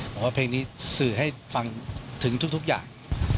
บอกว่าเพลงนี้สื่อให้ฟังถึงทุกอย่าง